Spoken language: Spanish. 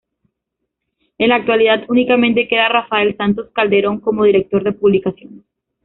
En la actualidad, únicamente queda Rafael Santos Calderón como director de publicaciones.